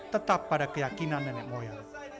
tetap pada keyakinan nenek moyang